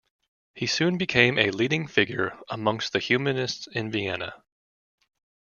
He soon became a leading figure amongst the humanists in Vienna.